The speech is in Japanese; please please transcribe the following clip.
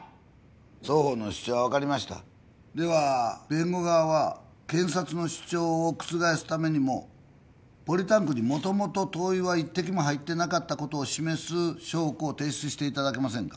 双方の主張は分かりましたでは弁護側は検察の主張を覆すためにもポリタンクに元々灯油は一滴も入ってなかったことを示す証拠を提出していただけませんか？